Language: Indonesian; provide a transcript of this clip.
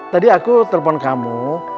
tadi aku telpon kamu